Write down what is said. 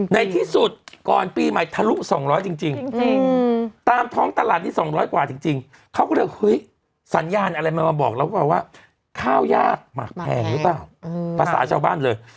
ในที่สุดก่อนปีใหม่ทะลุ๒๐๐จริงตามท้องตลาดนี้๒๐๐กว่าจริงเขาก็เลยเฮ้ยสัญญาณอะไรมันมาบอกเราหรือเปล่าว่าข้าวยากหมากแพงหรือเปล่าภาษาชาวบ้านเลย